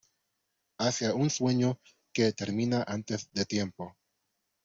Hacia un sueño que termina antes de tiempo